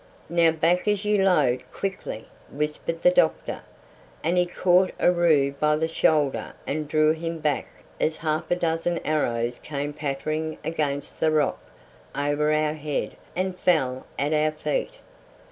"Now, back as you load, quickly!" whispered the doctor, and he caught Aroo by the shoulder and drew him back as half a dozen arrows came pattering against the rock over our head and fell at our feet.